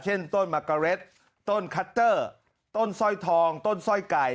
เช่นต้นมะกะเร็ดต้นคัตเตอร์ต้นสร้อยทองต้นสร้อยไก่